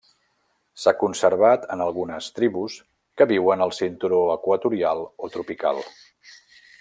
S'ha conservat en algunes tribus que viuen al cinturó equatorial o tropical.